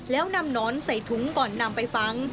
แล้วนำหนอนใส่ถุงก่อนนำไปฝัง